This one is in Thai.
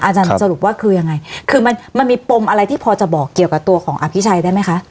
สรุปว่าคือยังไงคือมันมันมีปมอะไรที่พอจะบอกเกี่ยวกับตัวของอภิชัยได้ไหมคะ